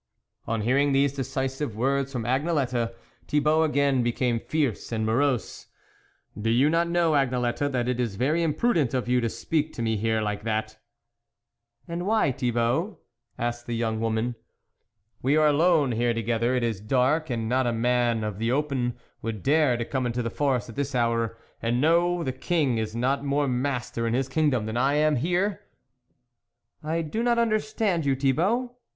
On hearing these decisive words from Agnelette, Thibault again became fierce and morose. " Do you not know, Agnelette, that it is very imprudent of you to speak to me here like that ?" "And why, Thibault?" asked the young woman. " We are alone here together ; it is dark, and not a man of the open would dare to come into the forest at this hour ; and know, the King is not more master in his kingdom than I am here ?"" I do not understand you, Thibault